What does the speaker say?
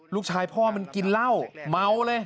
ลูกชายพ่อมันกินเหล้าเม้าเลย